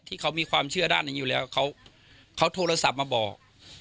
ที่เขามีความเชื่อด้านนี้อยู่แล้วเขาโทรศัพท์มาบอก